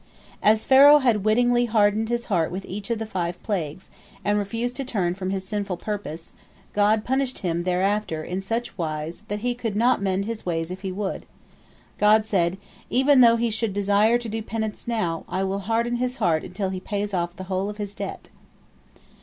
As Pharaoh had wittingly hardened his heart with each of the first five plagues, and refused to turn from his sinful purpose, God punished him thereafter in such wise that he could not mend his ways if he would. God said, "Even though he should desire to do penance now, I will harden his heart until he pays off the whole of his debt."